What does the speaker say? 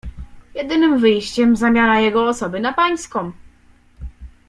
"Jedynym wyjściem zamiana jego osoby na pańską."